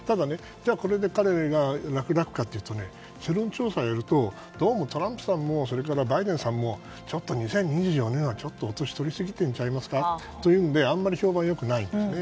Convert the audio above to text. これで彼が役立つかというと世論調査をするとどうもトランプさんもバイデンさんもちょっと２０２４年はお歳をとりすぎているんじゃないですか？ということであんまり評判は良くないんですね。